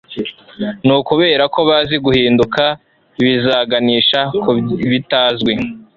ni ukubera ko bazi guhinduka bizaganisha ku bitazwi